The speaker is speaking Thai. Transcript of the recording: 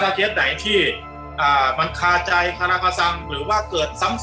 เคสไหนที่มันคาใจคาราคสังหรือว่าเกิดซ้ำ